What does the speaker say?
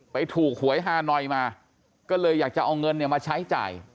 ไปถูกหวยฮานอยมาก็เลยอยากจะเอาเงินเนี่ยมาใช้จ่าย